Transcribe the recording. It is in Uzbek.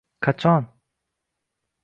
Qachon?